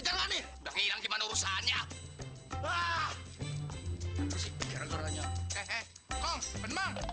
tidak pasti itu harta karun